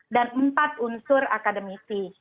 dan empat unsur akademisi